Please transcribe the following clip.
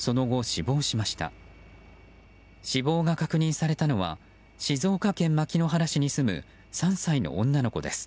死亡が確認されたのは静岡県牧之原市に住む３歳の女の子です。